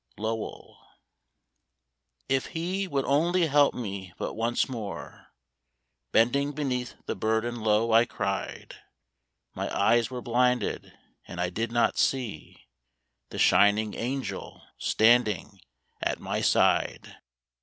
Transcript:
Lowell. F He would only help me but once more !" Bending beneath the burden low I cried. My eyes were blinded, and I did not see The Shining Angel standing at my side.